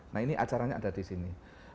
nah ini acaranya ada disini